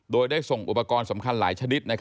โดยได้ส่งอุปกรณ์สำคัญหลายชนิด